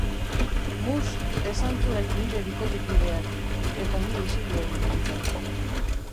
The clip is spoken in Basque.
Mus!, esan zuen nire bikotekideak, eta ni isildu egin nintzen.